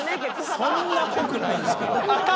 そんな濃くないですけど。